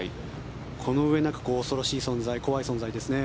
このうえなく恐ろしい存在怖い存在ですね。